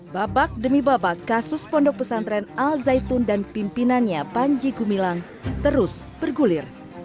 babak demi babak kasus pondok pesantren al zaitun dan pimpinannya panji gumilang terus bergulir